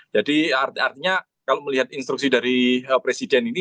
jadi artinya kalau melihat instruksi dari presiden ini